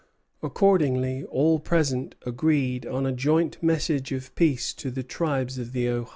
Accordingly all present agreed on a joint message of peace to the tribes of the Ohio.